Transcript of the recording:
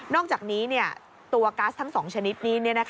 อกจากนี้ตัวก๊าซทั้ง๒ชนิดนี้